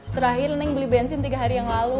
terakhir ning beli bensin tiga hari yang lalu